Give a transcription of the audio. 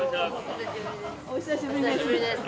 お久しぶりです。